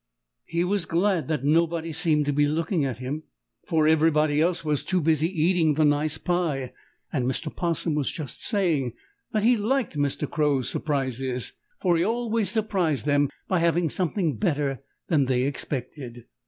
He was glad that nobody seemed to be looking at him, for everybody else was too busy eating the nice pie, and Mr. 'Possum was just saying that he liked Mr. Crow's surprises, for he always surprised them by having something better than they expected.